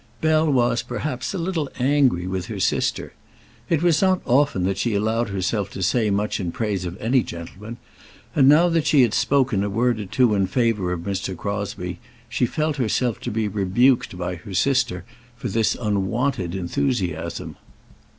Bell was, perhaps, a little angry with her sister. It was not often that she allowed herself to say much in praise of any gentleman; and, now that she had spoken a word or two in favour of Mr. Crosbie, she felt herself to be rebuked by her sister for this unwonted enthusiasm.